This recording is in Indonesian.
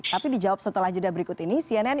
tapi dijawab setelah jeda berikut ini cnn